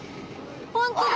本当だ。